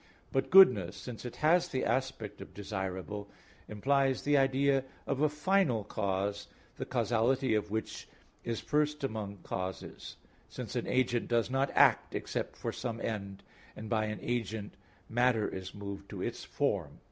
But goodness, since it has the aspect of desirable, implies the idea of a final cause, the causality of which is first among causes, since an agent does not act except for some end; and by an agent matter is moved to its form.